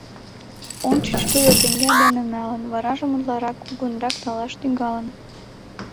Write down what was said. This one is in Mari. Ончыч тудо теҥге дене налын, варажым утларак, кугунрак налаш тӱҥалын.